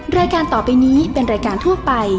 รายการต่อไปนี้เป็นรายการทั่วไป